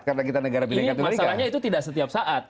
masalahnya itu tidak setiap saat